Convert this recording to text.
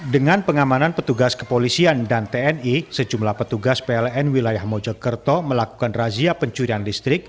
dengan pengamanan petugas kepolisian dan tni sejumlah petugas pln wilayah mojokerto melakukan razia pencurian listrik